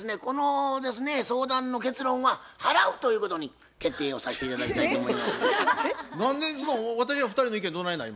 このですね相談の結論は「払う」ということに決定をさして頂きたいと思います。